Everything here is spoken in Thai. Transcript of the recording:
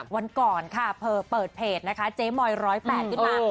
วันก่อนค่ะเธอเปิดเพจนะคะเจ๊มอย๑๐๘ขึ้นมา